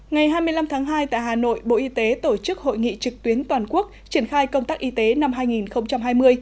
ngày hai mươi năm tháng hai tại hà nội bộ y tế tổ chức hội nghị trực tuyến toàn quốc triển khai công tác y tế năm hai nghìn hai mươi